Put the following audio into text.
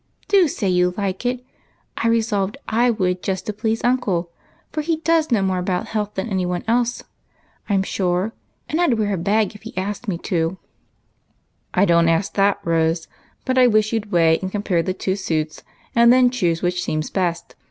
Do say you like it. I resolved I would, just to please uncle, for he does know more about health than any one else, I 'm sure, and I 'd wear a bag if he asked me to do it." " I don't ask that. Rose, but I wish you 'd weigh and compare the two suits, and then choose which seems best.